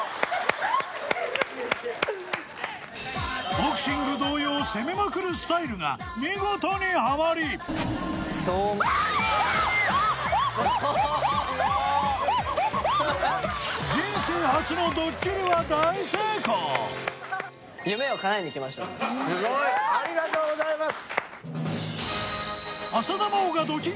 ボクシング同様攻めまくるスタイルが見事にハマりすごいありがとうございます！